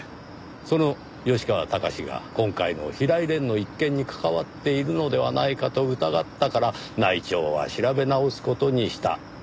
その吉川崇が今回の平井蓮の一件に関わっているのではないかと疑ったから内調は調べ直す事にしたというわけですね？